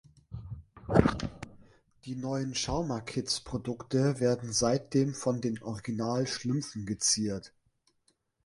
Die neuen Schauma-Kids-Produkte werden seitdem von den Original-Schlümpfen geziert.